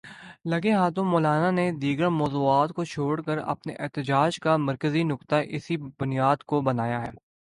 لگے ہاتھوں مولانا نے دیگر موضوعات کو چھوڑ کے اپنے احتجاج کا مرکزی نکتہ اسی بنیاد کو بنایا ہے۔